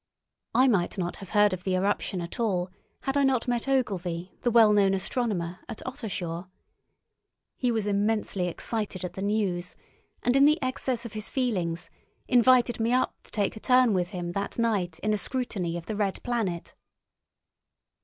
I might not have heard of the eruption at all had I not met Ogilvy, the well known astronomer, at Ottershaw. He was immensely excited at the news, and in the excess of his feelings invited me up to take a turn with him that night in a scrutiny of the red planet.